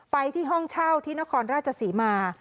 ไปที่ห้องเช่าที่นครราชศรีมา